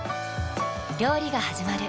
料理がはじまる。